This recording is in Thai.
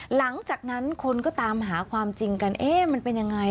หลังจากนั้นคนก็ตามหาความจริงกันเอ๊ะมันเป็นยังไง